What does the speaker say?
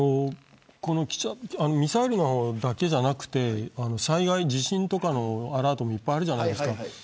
ミサイルだけではなくて地震とかのアラートもたくさんあるじゃないですか。